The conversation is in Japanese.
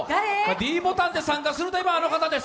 ｄボタンで参加するといえば、あの方です。